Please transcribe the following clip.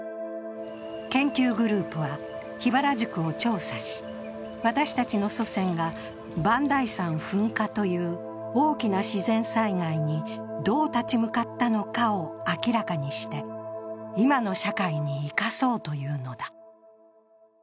研究グループは桧原宿を調査し私たちの祖先が磐梯山噴火という大きな自然災害にどう立ち向かったのかを明らかにして今の社会に生かそうというのだ。